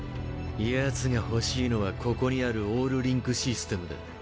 ヤツが欲しいのはここにあるオールリンクシステムだ。